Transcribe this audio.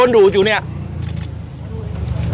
โดนดูดอยู่เนี้ยโดนว่า